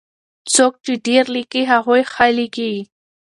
څوک چې ډېر ليکي هغوی ښه ليکي.